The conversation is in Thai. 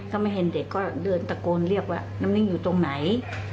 ก็ไม่เห็นเด็กก็เดินตะโกนเรียกว่าน้ำนิ่งอยู่ตรงไหน